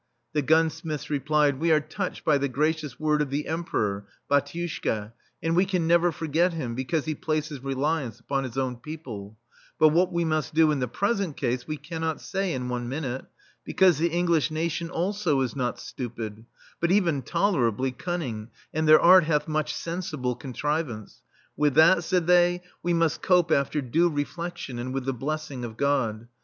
" The gunsmiths replied: "We are touched by the gracious word of the Emperor, batiushka* and we can never forget him, because he places reliance upon his own people ; but what we must do in the present case we cannot say in one minute, because the English na tion also is not stupid, but even toler ably cunning, and their art hath much sensible contrivance. With that,*' said they, "we must cope after due reflec tion, and with the blessing of God.